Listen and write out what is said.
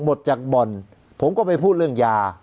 หมดจากบ่อนผมก็ไปพูดเรื่องยา